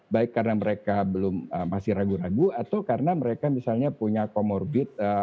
baik karena mereka belum masih ragu ragu atau karena mereka misalnya punya comorbid